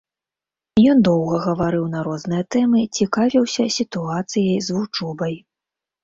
Ён доўга гаварыў на розныя тэмы, цікавіўся сітуацыяй з вучобай.